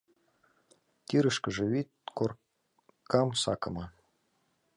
Тӱрышкыжӧ вӱд коркам сакыме.